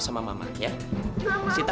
gak mau papa